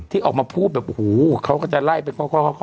ที่ออกมาพูดแบบโหเค้าก็จะไล่เป็นข้อ